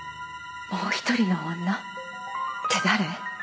もう一人の女って誰？